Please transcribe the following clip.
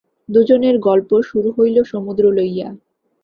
দুইজনের গল্প শুরু হইল সমুদ্র লইয়া।